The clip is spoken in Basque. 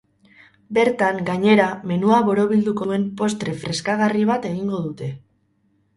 Bertan, gainera, menua borobilduko duen postre freskagarri bat egingo dute.